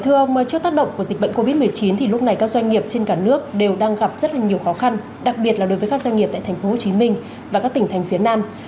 thưa ông trước tác động của dịch bệnh covid một mươi chín thì lúc này các doanh nghiệp trên cả nước đều đang gặp rất là nhiều khó khăn đặc biệt là đối với các doanh nghiệp tại tp hcm và các tỉnh thành phía nam